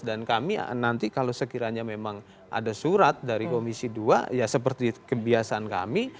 dan kami nanti kalau sekiranya memang ada surat dari komisi dua ya seperti kebiasaan kami